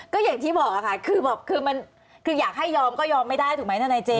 ก็อย่างที่บอกค่ะคืออยากให้ยอมก็ยอมไม่ได้ถูกไหมท่านไหนเจมส์